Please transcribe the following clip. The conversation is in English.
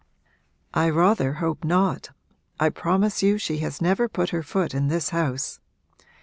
'I rather hope not I promise you she has never put her foot in this house!